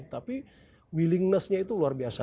tapi willingnessnya itu luar biasa